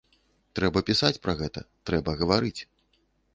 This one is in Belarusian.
Трэба пісаць пра гэта, трэба гаварыць.